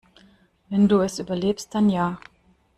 Wenn du es überlebst, dann ja.